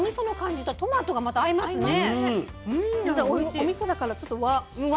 おみそだからちょっと和。